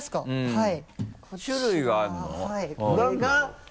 はい。